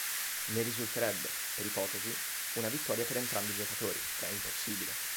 Ne risulterebbe, per ipotesi, una vittoria per entrambi i giocatori, che è impossibile.